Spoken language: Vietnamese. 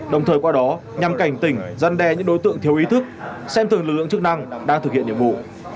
đồng thời qua đó nhằm cảnh tỉnh giăn đe những đối tượng thiếu ý thức xem thường lực lượng chức năng đang thực hiện nhiệm vụ